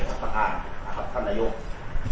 ครับพี่พะที่สามารถครับท่านนโยค